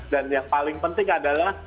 dan yang paling penting adalah